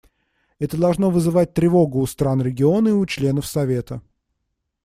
Это должно вызывать тревогу у стран региона и у членов Совета.